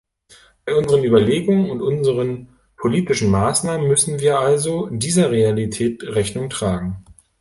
Bei unseren Überlegungen und unseren politischen Maßnahmen müssen wir also dieser Realität Rechnung tragen.